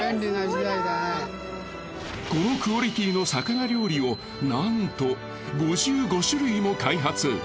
このクオリティーの魚料理をなんと５５種類も開発。